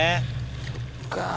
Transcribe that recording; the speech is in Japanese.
そっか。